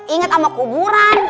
ingat sama kuburan